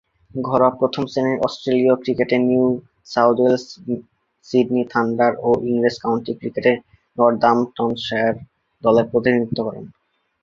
ঘরোয়া প্রথম-শ্রেণীর অস্ট্রেলীয় ক্রিকেটে New South Wales, Sydney Thunder ও ইংরেজ কাউন্টি ক্রিকেটে নর্দাম্পটনশায়ার দলের প্রতিনিধিত্ব করেন।